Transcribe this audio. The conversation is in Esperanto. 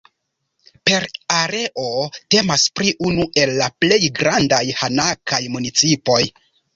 Per areo temas pri unu el la plej grandaj hanakaj municipoj.